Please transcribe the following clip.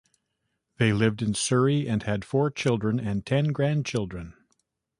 They lived in Surrey and had four children and ten grandchildren.